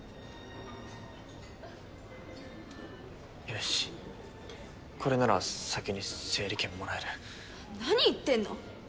よしこれなら先に整理券もらえる何言ってんの？